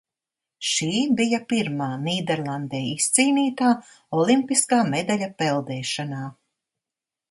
Šī bija pirmā Nīderlandei izcīnītā olimpiskā medaļa peldēšanā.